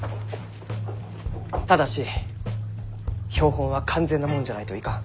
ただし標本は完全なもんじゃないといかん。